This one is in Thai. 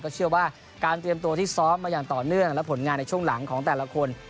เชื่อว่าการเตรียมตัวที่ซ้อมมาอย่างต่อเนื่องและผลงานในช่วงหลังของแต่ละคน